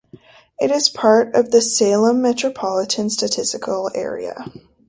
It is part of the Salem Metropolitan Statistical Area.